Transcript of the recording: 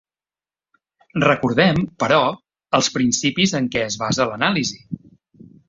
Recordem, però, els principis en què es basa l'anàlisi.